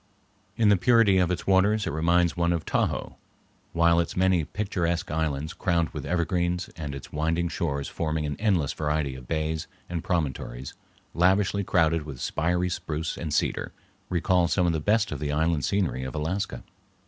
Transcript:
In the purity of its waters it reminds one of Tahoe, while its many picturesque islands crowned with evergreens, and its winding shores forming an endless variety of bays and promontories lavishly crowded with spiry spruce and cedar, recall some of the best of the island scenery of Alaska.